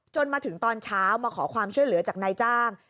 มาถึงตอนเช้ามาขอความช่วยเหลือจากนายจ้าง